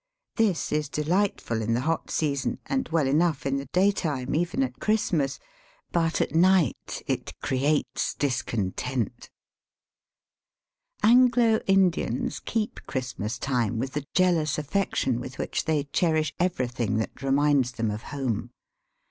This is delightful in the hot season, and well enough in the daytime, even at Christmas ; but at night it creates discontents Anglo Indians keep Christmas time with the jealous affection with which they cherish everything that reminds them of home.